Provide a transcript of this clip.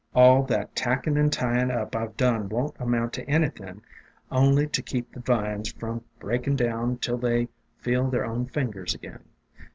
"All that tackin' and tyin' up I 've done won't amount to anything only to keep the vines from breakin' down till they feel their own fingers again.